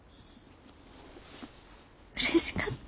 うれしかった。